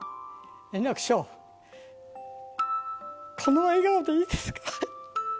円楽師匠、この笑顔でいいですか？